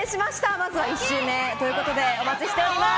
まずは１周目ということでお待ちしております。